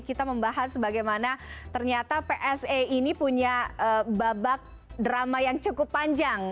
kita membahas bagaimana ternyata pse ini punya babak drama yang cukup panjang